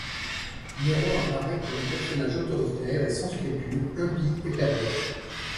Néron apparaît comme un personnage autoritaire et sans scrupules, impie et pervers.